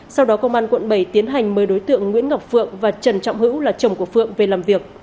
sau đó công an quận bảy tiến hành mời đối tượng nguyễn ngọc phượng và trần trọng hữu là chồng của phượng về làm việc